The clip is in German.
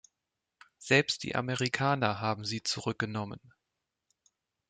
Selbst die Amerikaner haben sie zurückgenommen.